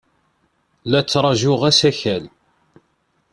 La ttṛajuɣ asakal.